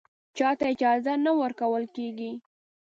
چا ته اجازه نه ورکول کېږي